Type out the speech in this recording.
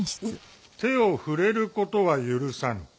手を触れることは許さぬ」。